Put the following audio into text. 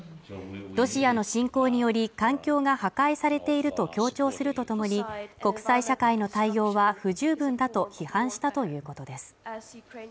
ロシアの侵攻により環境が破壊されていると強調するとともに、国際社会の対応は不十分だと批判したということです